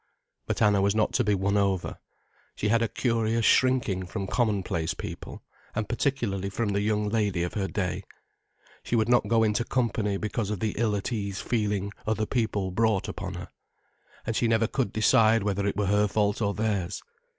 But Anna was not to be won over. She had a curious shrinking from commonplace people, and particularly from the young lady of her day. She would not go into company because of the ill at ease feeling other people brought upon her. And she never could decide whether it were her fault or theirs.